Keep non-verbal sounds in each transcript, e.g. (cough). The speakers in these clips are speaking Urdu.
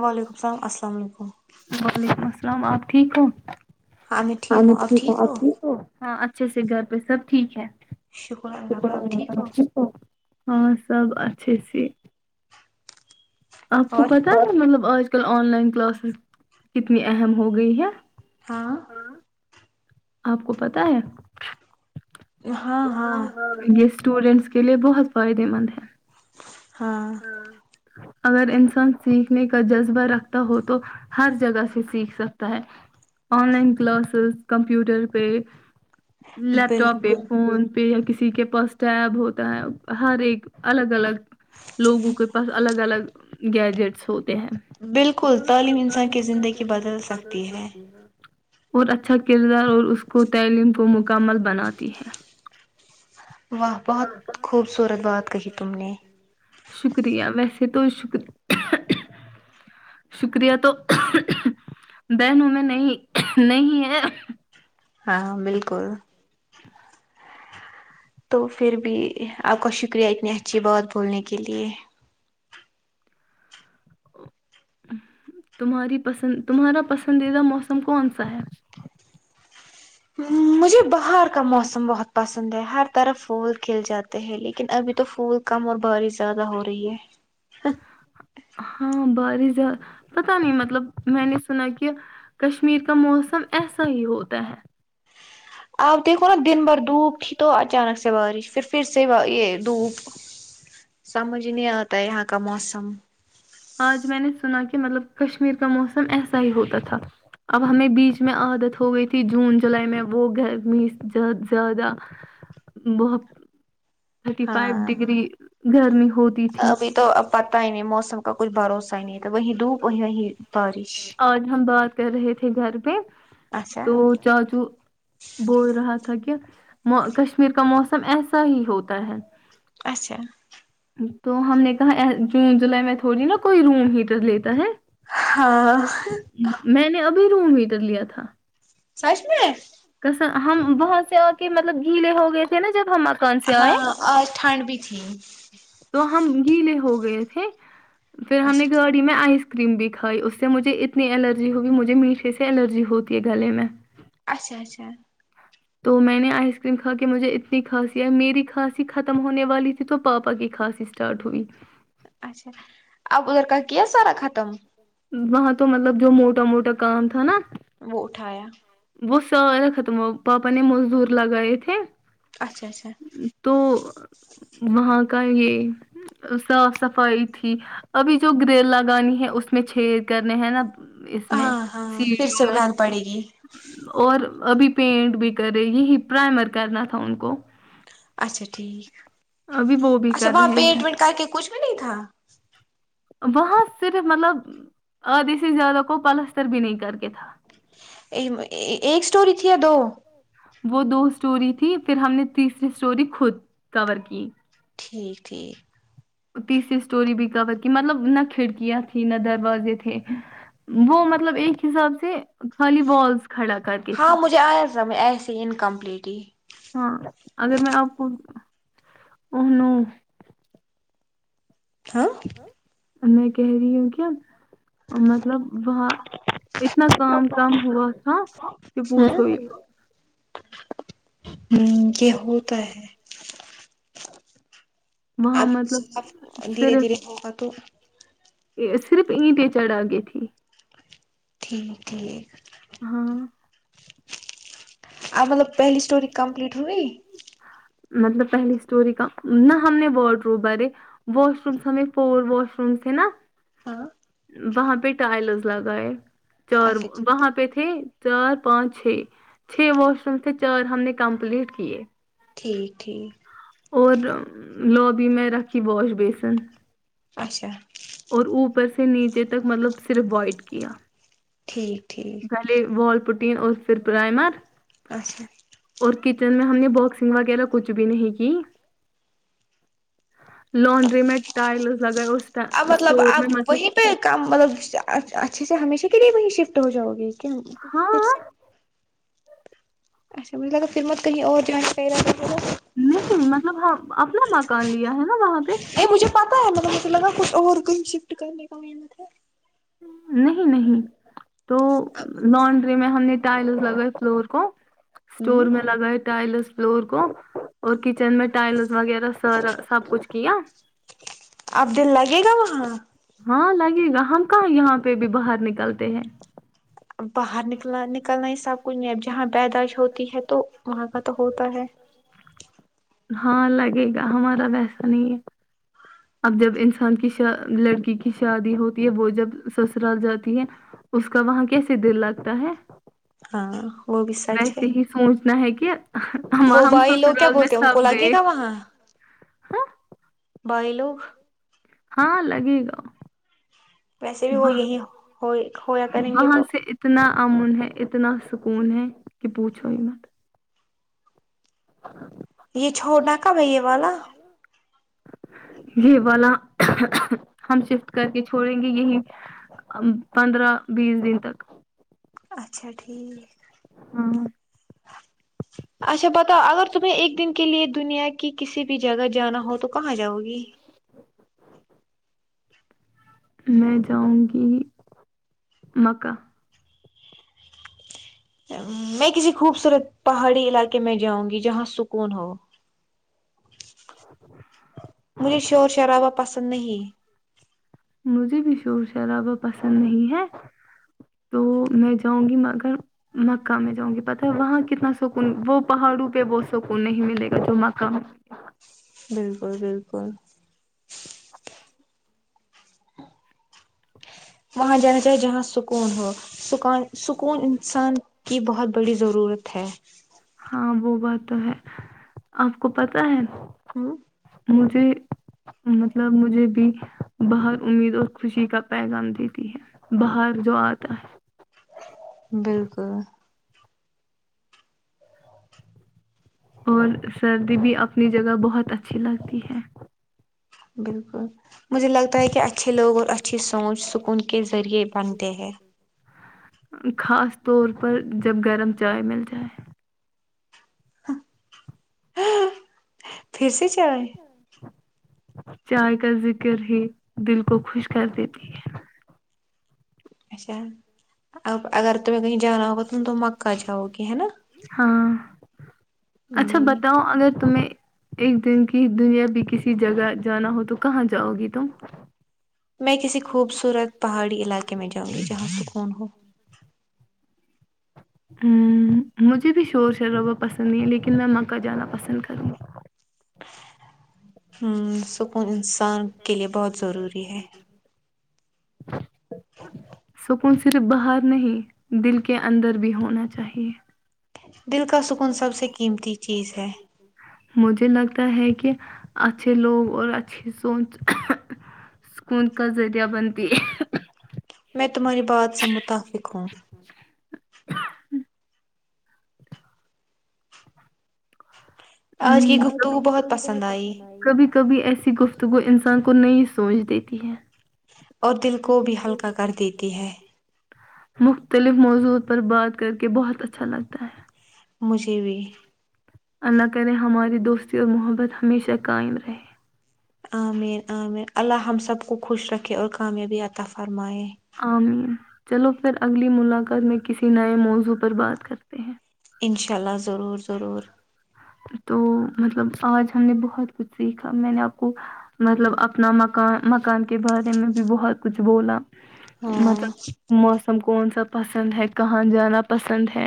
وعلیکم السلام السلام علیکم ٹھیک ہے ہم میں ٹھیک ہ آ ٹھیک اچھے سے گھر پہ سب ٹھیک ہے (inaudible) (inaudible) آپ کو پتا ہے مطلب آج آج کل آن لائن کلاسز کتنی اہم ہو گئی ہے (inaudible) آپ کو پت ہے اسٹوڈینٹس کے لیے بہت فائدے مند ہے (inaudible) اگر انسان سیکھنے کا جذبہ رکھتا ہو تو ہر جگہ سے سیکھ سکتا ہے آن لائن کلاسز کمپیوٹر پہ لپ ٹاپ دیک فون پہ یا کسی کے پاس ٹب ہوتا ہے ہر ایک الگ الگ لوگوں کے پاس الگ الگ گیجٹس ہو بالکل تعلیم انسان کی زندگی بدل سکتی ہے اور اچھا کردار اور اس کو تعلیم کو مکمل بناتی ہے ت خوبصورت شکریہ ویسے تو شک شکریہ تو بہنوں میں نہیں نہیں ہے ہاں بالکل تو پھر بھی آپ کا شکریہ اتنی اچھی بات بولنے کے لیے تمہاری پسند تمہارا پسندیدہ موسم کون سا ہے مجھے باہر کا موسم بہت پسند ہے ہر طرف پھول کھل جاتے ہیں لیکن ابھی تو پھول کم اور بارش زیادہ ہو رہی ہے ہاں بارش زیادہ پتا نہیں مطلب میں نے سنا کہ کشمیر کا موسم ایسا ہی ہوتا ہے آپ دیکھو نا دن بھر دھوپ تھی تو اچانک سے بارش پھر پھر سے یہ دھوپ سمجھ نہیں آتا یہاں کا موسم آج میں نے سنا کہ مطلب کشمیر کا موسم ایسا ہی ہوتا تھا اب ہمیں بیچ میں عادت ہو گئی تھی جون جولائی میں وہ گرمی زیادہ بہت ہاں ابھی تو اب پتا ہی نہیں موسم کا کچھ بھروسہ نہیں تھا وہ دوپ وہی وہی اورحم باد رہییں گھر بھی تو چاچو بول رہا تھا تھا کہ کشمیر کا موسم ایسا ہی ہوتا ہے اچھا تو ہم نے کہا جون جولائی میں تھوڑی نا کوئی روم ہیٹر لیتا ہے ہاں روم ہیٹر لیا تھا سش میں کسا ہم بہت سے ہو کے مطلب گھیلے ہو گئے تھے نا جب ہم ہاں اور ٹھنڈ بھی تھی تو ہم گیلے ہو گئے تھے پھر ہم نے گاڑی میں آئی کریم بھی کھائی اس سے مجھے اتنی الرجی ہوگی مجھے میٹھے سے الرجی ہوتی ہے گلے میں اچھا اچھا تو میں نے آئس کریم کھا کے مجھے اتنی کھانسی میری کھانسی ختم ہونے والی تھی تو پاپا کی کھانسی اسٹارٹ ہوئی اچھا اب ادھر کا کی ہے سارا ختم وہاں تو مطلب جو موٹا موٹا کام تھا نا وہ اٹھایا وہ سارے ختم پاپا نے موزدور لگائے تھے اچھا اچھا وہاں کا یہ صاف صفائی تھی ابھی جو گریل لگانی ہے اس میں میں چھید کرنے ہیں نا ہاں ہاں پھر سےب گھر پڑے گی ابھی پینٹ بھی کرے یہی پرائمر کرنا تھا ان کو اچھا ٹھیک اچھا وہاں پیٹ وٹ کر کے کچھ بھی نہیں تھا وہاں صرف مطلب آھھی سے زیادہ کو پلستر بھی نہیں کر کے تھا ایک اسٹوری تھی یا دو وہ دو اسٹوری تھی پھر ہم نے تیسری اسٹوری خود کور کی ٹھیک ٹھیک تیسری اسٹوری بھی کور کی مطلب نہ کھڑکیاں تھی نہ دروازے تھے وہ مطلب ایک حساب سے خالی والس کھڑا کر کے تھی ہاں اگر میں آپ کو انو ہاں میں کہہ رہی ہوں کیا مطلب وہاں اتنا کام کم ہوا تھا کہ پوچھو یہ ہ یہ ہوتا ہے ابھی دھیرے دھیرے ہوگا تو صرف ایندیں چڑھا گی تھی ٹھیک ٹھیک ہاں آ مطلب پہلی اسٹوری کمپلیٹ ہوئی مطلب پہلی اسٹوری کا نہ ہم نے واڈ روم بھرے واش رومس ہمیں پور واش رومس سے نا ہاں وہاں پہ ٹائلز لگائیں چور وہاں پہ تھے چار پانچ چھ چھ واش روم تھے چار ہم نے کمپلیٹ کیے ٹھیک ٹھیک اور لوبی میں رکھی واش بیسن اچھا اور اوپر سے نیچے تک مطلب صرف اوائڈ کیا ٹھیک گلے وال پروٹین اور سر پرائما اور کچن میں ہم نے باکسنگ وغیرہ کچھ بھی نہیں کی لانڈری میں ٹائلس لگئے اس اب مطلب اب وہیں پہ کم مطلب اچھے سے ہمیشہ کے بھی شفٹ ہو جؤ گی کیا کچھ کر س اچا مجھ لگر پھرت کہیں اور ج نہیں مطلب ہم اپنا مکان لیا ہے نا وہاں پہ پتا ہے مب مے لگا کھ کو شفٹ کرنے کامے نہیں نہیں تو لانانڈری میں ہم نے ٹائلز لگا فلور کو اسٹور میں لگا ٹائلس فلور کو اور کچن میں ٹائل وغیر سارا سب کچھ کییا اب دل لگے گا وہاں ہاں لگے گا ہ کہاں یہاں پہ بھی باہر نکلتے ہیں باہر نکلنا نکلنا ہی سب کچھ نب ج جہاں پیداش ہوتی ہے تو وہاں کا تو ہوتا ہے ہاں لگے گا ہمارا ویسا نہیں ہے اب جب انسان کی ش لڑکی کی شادی ہوتی ہے وہ جب سسرال جاتی ہے اس کا وہاں کیسے دل لگتا ہے ہاں ویسے یہ ہی سوچنا ہے کہ پ وہ بھائی لوگ کیا بولتے ہیں ان کو لگے گا وہاں بائی لوگ ہاں لگے گا ویسے بھی وہ یہی ہو ہویا کریں گے تو امن ہے اتنا سکون ہے کہ پوچھو ہی مت یہ چھوڑا کا بھے والا یہ والا ہم شفٹ کر کے چھوڑیں گے یہی پندرہ بیس دن تک اچھا ٹھیک ہاں اچھا بتاؤ اگر تمہیں ایک دن کے لیے دنیا کی کسی بھی جگہ جانا ہو تو کہاں جاؤ گی میں جاؤں گی مکہ میں کسی خوبصورت پہاڑی علاقے میں جاؤں گی جہاں سکون ہو ہاں مجھے شور شرابہ پسند نہیں مجھے بھی شور شرابہ پسند نہیں ہے تو میں جاؤں گی مگر مکہ میں جاؤں گی پت ہے وہاں کتنا سکون وہ پہاڑوں پہ وہ سکون نہیں ملے گا جو مکہ میں بالکل بالکل وہاں جانا چاہیے جہاں سکون ہو سکون سکون انسان کی بہت بڑی ضرورت ہے ہاں وہ بات تو ہے آپ کو پتا ہے ہاں مجھے مطلب مجھے بھی باہر امید اور خوشی کا پیغام دیتی ہے باہر جو آتا ہے اور سردی بھی اپنی جگہ بہت اچھی لگتی ہے بالکل مجھے لگتا ہے کہ اچھے لوگ اور اچھی سوچ سکون کے ذریعے بنتے ہیں خاص طور پر جب گرم چائے مل جائے جسی کیا چائے کا ذکر ہی دل کو خوش کر دیتی ہے اچھا اگر تم کہ جانا ہوا ت تو مکہ جا ک ہے نا اچھا بتاؤ اگر تمیں ایک دن کی دنیا بھی کسی جگہ جانا ہو تو کہاں جاؤ گی تم میں کسی خوبصورت پہاڑی علاقے میں جاؤں گی جہاں سکون ہو ہ مجھے بھی شور شربا پسند نہیں ہے لیکن میں مکا جانا پسند کروں گی ہ سکون انسان کے لیے بہت ضروری ہے (inaudible) (inaudible) صرف باہر نہیں دل کے اندر بھی ہونا چاہیے مجھے لگتا ہے کہ اچھے لوگ اور اچھی سونچ سکون کا ذریعہ بنتی میں تمہاری بات سے متفق ہوں بھی بہت پسند آ کبھی کبھی ایسی گفتگو انسان کو نہیں سوچ دیتی ہے اور دل کو بھی ہلکا کر دیتی ہے مختلف موضوع پر بات کر کے بہت اچھا لگتا ہے مجھے بھی اللہ کرے ہماری دوستی اور محبت ہمیشہ قائم رہے عمیر عمیر اللہ ہم سب کو خوش رکھے اور کامیابی اطافات فرمائےیں چلو پھر اگلی ملاقات میں کسی نئے موضوع پر بات کرتے ہیں انشاء اللہ ضرور ضرور تو مطلب آج ہم نے بہت کچھ سیکھا میں نے آپ کو مطلب اپنا مکان مکان کے بارے میں بھی بہت کچھ بولا مطلب مو ہم کون سا پسند ہے کہاں جانا پسند ہے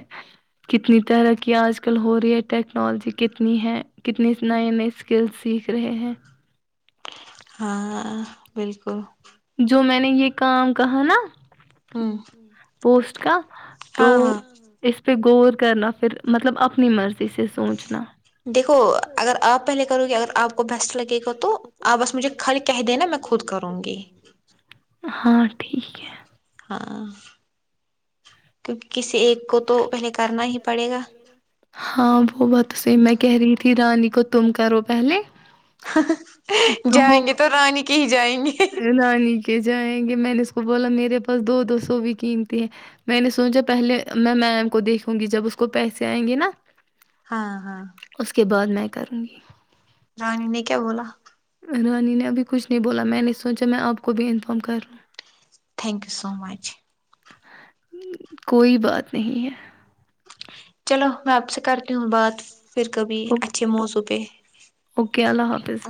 کتنی طرحقی آج کل ہو رہی ہے ٹیک ٹیکنالوجی کتنی ہے کتنی نئے نئے اسکل سیکھ رہے ہیں ہاں بالکل جو میں نے یہ کام کہا نا (inaudible) پوسٹ کا تو اس پھر غور کرنا پھر مطلب اپنی مرضی سے سوچنا دیکھو اگر آپ پہلے کرو گی اگر آپ کو بیسٹ لگے گا تو آپ بس مجھے کھل کہہ دینا میں خود کروں گی (inaudible) ہاں ٹھیک ہے (inaudible) ہاں وہ بہت صحی میں کہہ رہی تھی رانی کو تم کرو پہلے جائیں گے تو رانی کہ ہی جائیں گے نانی کے جائیں گے میں نے کو بولا میرے پاس دو دو سو بھی قیمتی ہے میں نے سوچا پہلے میں میم کو دیکھوں گی جب اس کو پیسے آئیں گے نا ہاں ہاں کروں گی رانی نے کیا بولا رانی نے ابھی کچھ نہیں بولا میں نے سوچا میں آپ کو بھی انفم کر رہا ہوں تھینک یو سو مچ کوئی بات نہیں ہے چلو میں آپ سے کرتی ہوں بات پھر کبھی اچھے موضوع پہ اوکے اللہ حافظ